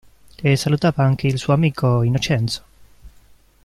E salutava anche il suo amico Innocenzo.